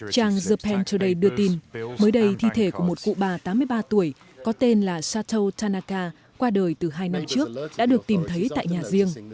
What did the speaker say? chàng japan today đưa tin mới đây thi thể của một cụ bà tám mươi ba tuổi có tên là sato tanaka qua đời từ hai năm trước đã được tìm thấy tại nhà riêng